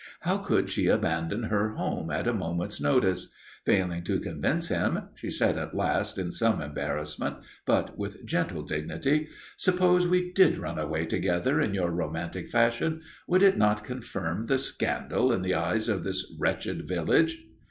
How could she abandon her home at a moment's notice? Failing to convince him, she said at last in some embarrassment, but with gentle dignity: "Suppose we did run away together in your romantic fashion, would it not confirm the scandal in the eyes of this wretched village?"